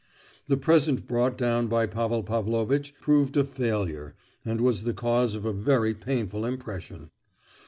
The present brought down by Pavel Pavlovitch proved a failure, and was the cause of a very painful impression.